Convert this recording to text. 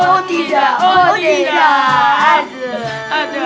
oh tidak oh tidak